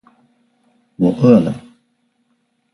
我饿了